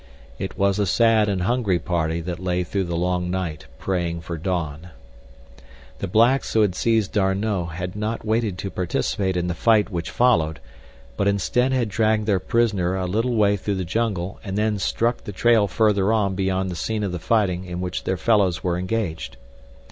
It was a sad and hungry party that lay through the long night praying for dawn. The blacks who had seized D'Arnot had not waited to participate in the fight which followed, but instead had dragged their prisoner a little way through the jungle and then struck the trail further on beyond the scene of the fighting in which their fellows were engaged.